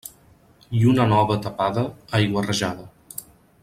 Lluna nova tapada, aigua rajada.